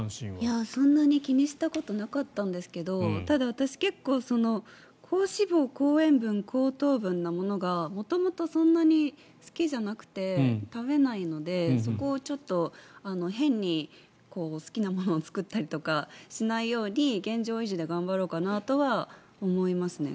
そんなに気にしたことなかったんですけど私、高脂肪、高塩分高糖分なものが元々そんなに好きじゃなくて食べないのでそこを変に好きなものを作ったりとかしないように現状維持で頑張ろうかなとは思いますね。